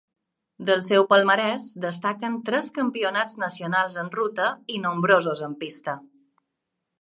Del seu palmarès destaquen tres campionats nacionals en ruta i nombrosos en pista.